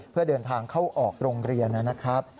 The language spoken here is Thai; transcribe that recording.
เพื่อเดินทางเข้าออกโรงเรียนนะครับ